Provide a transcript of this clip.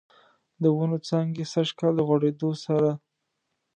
د ونوو څانګې سږکال، د غوړیدو سره